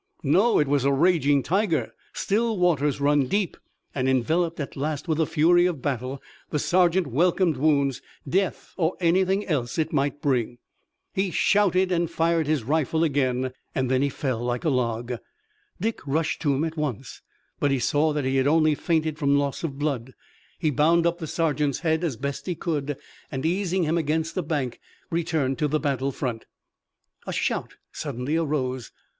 No, it was a raging tiger. Still waters run deep, and, enveloped, at last, with the fury of battle the sergeant welcomed wounds, death or anything else it might bring. He shouted and fired his rifle again. Then he fell like a log. Dick rushed to him at once, but he saw that he had only fainted from loss of blood. He bound up the sergeant's head as best he could, and, easing him against a bank, returned to the battle front. A shout suddenly arose.